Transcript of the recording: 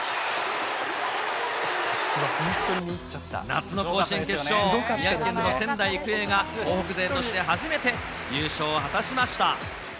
夏の甲子園決勝、宮城県の仙台育英が、東北勢として初めて優勝を果たしました。